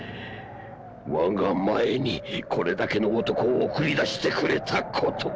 我が前にこれだけの男を送り出してくれた事を。